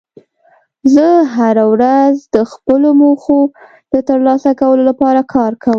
زه هره ورځ د خپلو موخو د ترلاسه کولو لپاره کار کوم